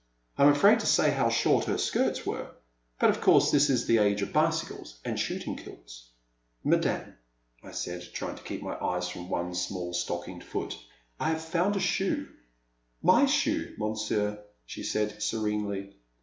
I 'm afraid to say how short her skirts were, — but of course this is the age of bicycles and shooting kilts. Madame,'* I said, trying to keep my eyes from one small stockinged foot, I have found a shoe —My shoe. Monsieur,'* she said, serenely.